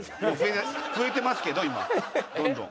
増えてますけど今どんどん。